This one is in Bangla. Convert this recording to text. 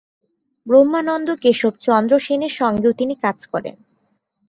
ব্রহ্মানন্দ কেশবচন্দ্র সেনের সঙ্গেও তিনি কাজ করেন।